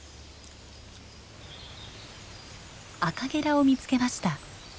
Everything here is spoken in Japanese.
アカゲラを見つけました。